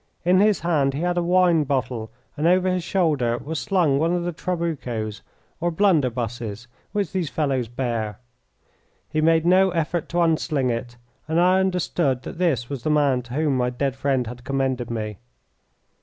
In his hand he had a wine bottle and over his shoulder was slung one of the trabucos or blunderbusses which these fellows bear. He made no effort to unsling it, and I understood that this was the man to whom my dead friend had commended me.